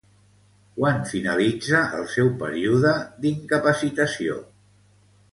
Quan finalitza el seu període d'incapacitació?